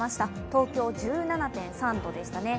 東京、１７．３度でしたね。